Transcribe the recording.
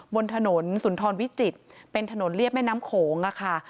บนถนนสุนทรวิจิตรเป็นถนนเรียบแม่น้ำโขงค่ะ